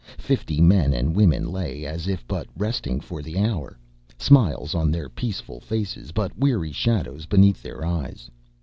Fifty men and women lay as if but resting for the hour, smiles on their peaceful faces but weary shadows beneath their eyes.